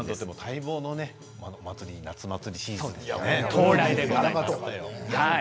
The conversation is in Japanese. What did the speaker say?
待望の夏祭りシーズンだよね。